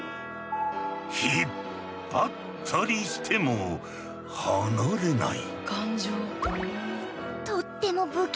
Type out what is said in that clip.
引っ張ったりしても離れない。